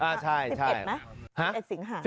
อ่าใช่ใช่